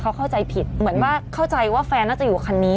เขาเข้าใจผิดเหมือนว่าเข้าใจว่าแฟนน่าจะอยู่คันนี้